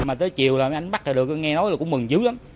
mà tới chiều là anh bắt được nghe nói cũng mừng chứ lắm